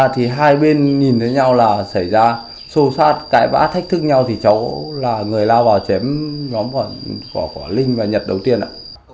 thì hai bên nhìn thấy nhau là xảy ra sâu sát cãi vã thách thức nhau thì cháu là người lao vào chém nhóm của linh và nhật đầu tiên ạ